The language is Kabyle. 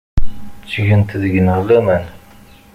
Ttgent deg-neɣ laman.